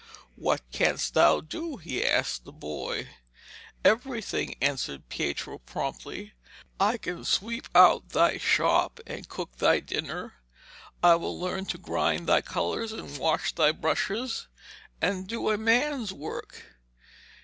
'What canst thou do?' he asked the boy. 'Everything,' answered Pietro promptly. 'I can sweep out thy shop and cook thy dinner. I will learn to grind thy colours and wash thy brushes, and do a man's work.'